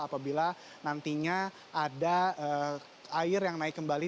apabila nantinya ada air yang naik kembali